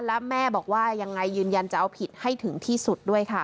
และแม่บอกว่ายังไงยืนยันจะเอาผิดให้ถึงที่สุดด้วยค่ะ